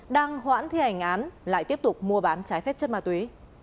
đang hoãn thi hành án lại tiếp tục mua bán trái phép chất ma túy